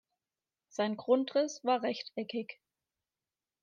Sein Grundriss war rechteckig.